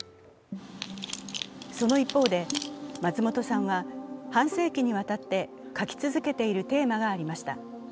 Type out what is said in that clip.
その一方で、松本さんは半世紀にわたって描き続けているテーマがありました。